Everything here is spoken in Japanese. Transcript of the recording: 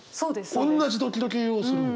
おんなじドキドキをするんだ。